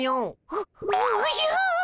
おおじゃ。